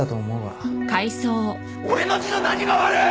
俺の字の何が悪い！